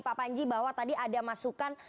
pak panji bahwa tadi ada masukan